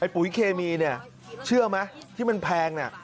ปุ๋ยเคมีเชื่อไหมที่มันแพง